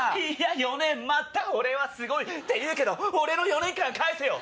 いや４年待った俺はすごい！って言うけど俺の４年間返せよ！